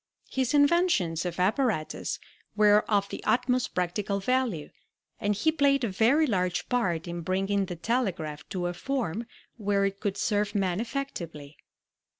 His inventions of apparatus were of the utmost practical value, and he played a very large part in bringing the telegraph to a form where it could serve man effectively.